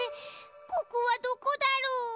ここはどこだろう？